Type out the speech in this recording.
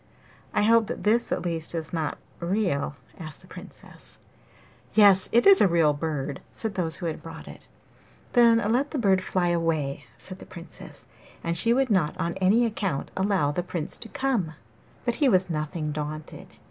'I hope that this, at least, is not real?' asked the Princess. 'Yes, it is a real bird,' said those who had brought it. 'Then let the bird fly away,' said the Princess; and she would not on any account allow the Prince to come. 'But he was nothing daunted.